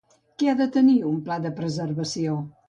Què ha de tenir un pla de preservació?